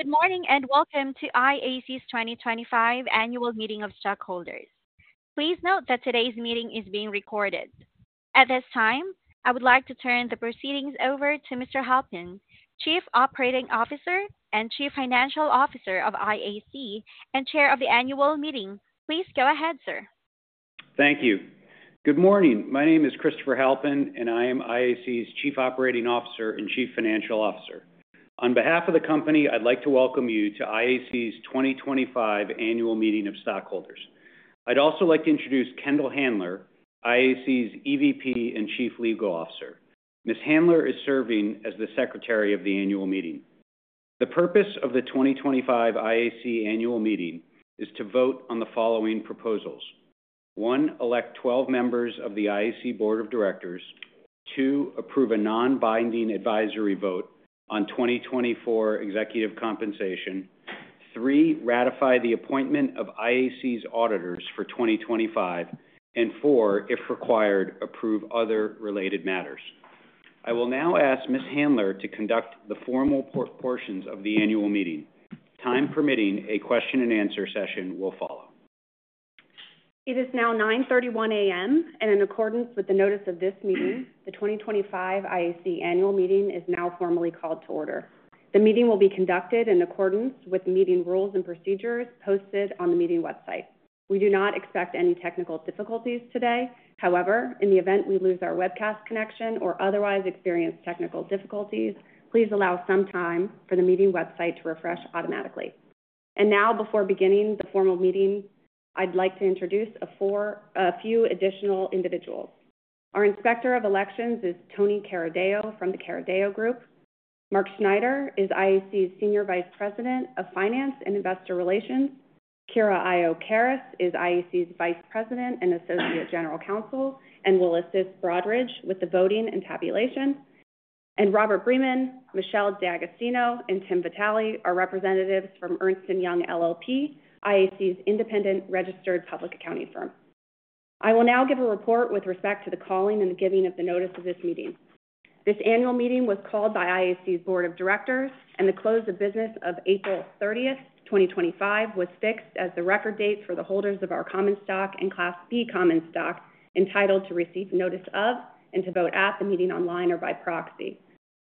Good morning and welcome to IAC's 2025 Annual Meeting of Stockholders. Please note that today's meeting is being recorded. At this time, I would like to turn the proceedings over to Mr. Halpin, Chief Operating Officer and Chief Financial Officer of IAC and Chair of the Annual Meeting. Please go ahead, sir. Thank you. Good morning. My name is Christopher Halpin, and I am IAC's Chief Operating Officer and Chief Financial Officer. On behalf of the company, I'd like to welcome you to IAC's 2025 Annual Meeting of Stockholders. I'd also like to introduce Kendall Handler, IAC's EVP and Chief Legal Officer. Ms. Handler is serving as the Secretary of the Annual Meeting. The purpose of the 2025 IAC Annual Meeting is to vote on the following proposals: 1) Elect 12 members of the IAC Board of Directors. 2) Approve a non-binding advisory vote on 2024 executive compensation. 3) Ratify the appointment of IAC's auditors for 2025. 4) If required, approve other related matters. I will now ask Ms. Handler to conduct the formal portions of the Annual Meeting. Time permitting, a question-and-answer session will follow. It is now 9:31 A.M., and in accordance with the notice of this meeting, the 2025 IAC Annual Meeting is now formally called to order. The meeting will be conducted in accordance with meeting rules and procedures posted on the meeting website. We do not expect any technical difficulties today. However, in the event we lose our webcast connection or otherwise experience technical difficulties, please allow some time for the meeting website to refresh automatically. Now, before beginning the formal meeting, I'd like to introduce a few additional individuals. Our Inspector of Elections is Tony Caradeo from the Caradeo Group. Mark Schneider is IAC's Senior Vice President of Finance and Investor Relations. Kira Iyo Karras is IAC's Vice President and Associate General Counsel and will assist Broadridge with the voting and tabulation. Robert Breman, Michelle D'Agostino, and Tim Vitale are representatives from Ernst & Young LLP, IAC's independent registered public accounting firm. I will now give a report with respect to the calling and the giving of the notice of this meeting. This Annual Meeting was called by IAC's Board of Directors, and the close of business of April 30, 2025, was fixed as the record dates for the holders of our common stock and Class B common stock entitled to receive notice of and to vote at the meeting online or by proxy.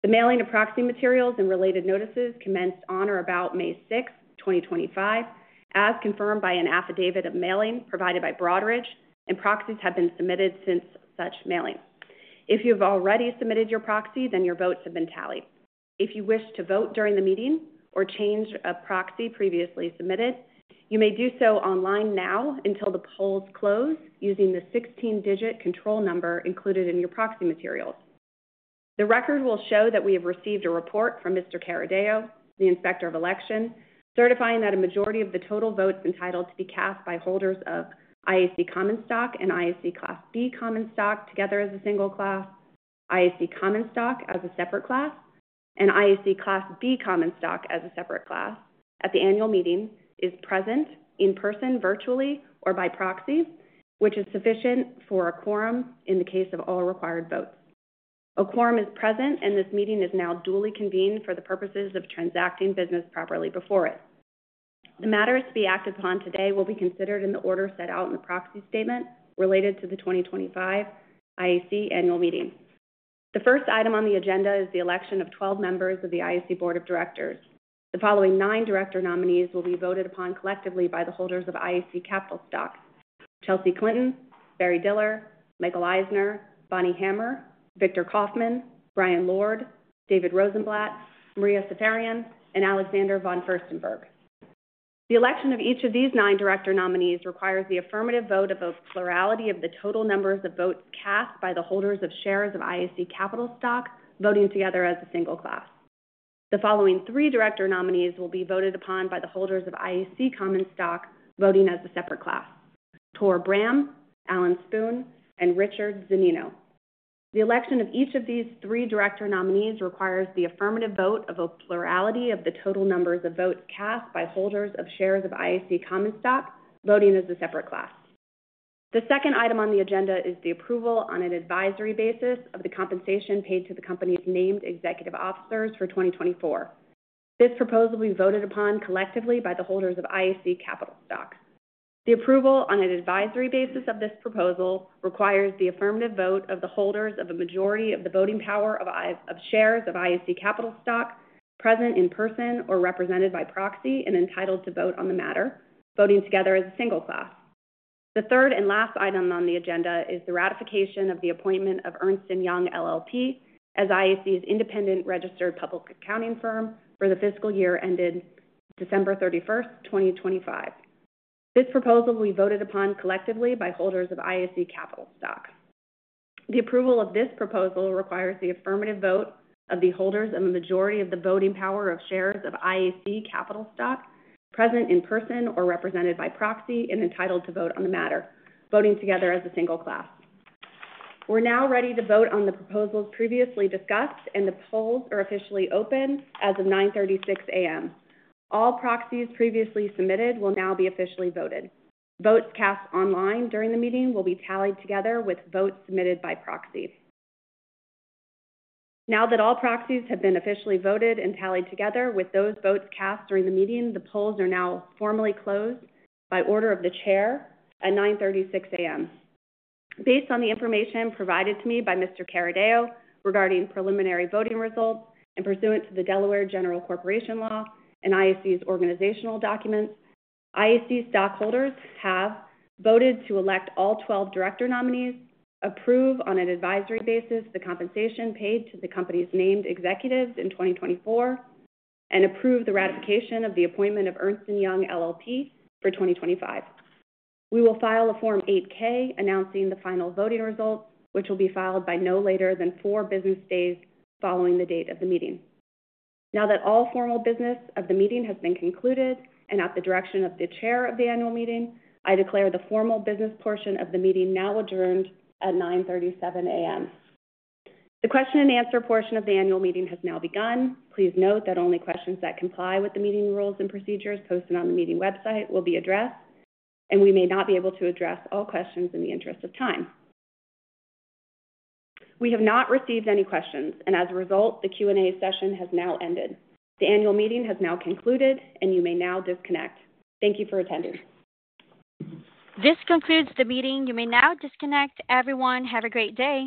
The mailing of proxy materials and related notices commenced on or about May 6, 2025, as confirmed by an affidavit of mailing provided by Broadridge, and proxies have been submitted since such mailing. If you have already submitted your proxy, then your votes have been tallied. If you wish to vote during the meeting or change a proxy previously submitted, you may do so online now until the polls close using the 16-digit control number included in your proxy materials. The record will show that we have received a report from Tony Caradeo, the Inspector of Elections, certifying that a majority of the total votes entitled to be cast by holders of IAC common stock and IAC Class B common stock together as a single class, IAC common stock as a separate class, and IAC Class B common stock as a separate class at the Annual Meeting is present in person, virtually, or by proxies, which is sufficient for a quorum in the case of all required votes. A quorum is present, and this meeting is now duly convened for the purposes of transacting business properly before it. The matters to be acted upon today will be considered in the order set out in the proxy statement related to the 2025 IAC Annual Meeting. The first item on the agenda is the election of 12 members of the IAC Board of Directors. The following nine director nominees will be voted upon collectively by the holders of IAC capital stock: Chelsea Clinton, Barry Diller, Michael Eisner, Bonnie Hammer, Victor Kaufman, Brian Lord, David Rosenblatt, Maria Safarian, and Alexander von Furstenberg. The election of each of these nine director nominees requires the affirmative vote of a plurality of the total number of votes cast by the holders of shares of IAC capital stock voting together as a single class. The following three director nominees will be voted upon by the holders of IAC common stock voting as a separate class: Tor Bram, Alan Spoon, and Richard Zanino. The election of each of these three director nominees requires the affirmative vote of a plurality of the total numbers of votes cast by holders of shares of IAC common stock voting as a separate class. The second item on the agenda is the approval on an advisory basis of the compensation paid to the company's named executive officers for 2024. This proposal will be voted upon collectively by the holders of IAC capital stock. The approval on an advisory basis of this proposal requires the affirmative vote of the holders of a majority of the voting power of shares of IAC capital stock present in person or represented by proxy and entitled to vote on the matter voting together as a single class. The third and last item on the agenda is the ratification of the appointment of Ernst & Young LLP as IAC's independent registered public accounting firm for the fiscal year ended December 31, 2025. This proposal will be voted upon collectively by holders of IAC capital stock. The approval of this proposal requires the affirmative vote of the holders of a majority of the voting power of shares of IAC capital stock present in person or represented by proxy and entitled to vote on the matter voting together as a single class. We're now ready to vote on the proposals previously discussed, and the polls are officially open as of 9:36 A.M. All proxies previously submitted will now be officially voted. Votes cast online during the meeting will be tallied together with votes submitted by proxy. Now that all proxies have been officially voted and tallied together with those votes cast during the meeting, the polls are now formally closed by order of the Chair at 9:36 A.M. Based on the information provided to me by Mr. Caradeo regarding preliminary voting results and pursuant to the Delaware General Corporation Law and IAC's organizational documents, IAC stockholders have voted to elect all 12 director nominees, approve on an advisory basis the compensation paid to the company's named executives in 2024, and approve the ratification of the appointment of Ernst & Young LLP for 2025. We will file a Form 8-K announcing the final voting results, which will be filed by no later than four business days following the date of the meeting. Now that all formal business of the meeting has been concluded and at the direction of the Chair of the Annual Meeting, I declare the formal business portion of the meeting now adjourned at 9:37 A.M. The question-and-answer portion of the Annual Meeting has now begun. Please note that only questions that comply with the meeting rules and procedures posted on the meeting website will be addressed, and we may not be able to address all questions in the interest of time. We have not received any questions, and as a result, the Q&A session has now ended. The Annual Meeting has now concluded, and you may now disconnect. Thank you for attending. This concludes the meeting. You may now disconnect. Everyone, have a great day.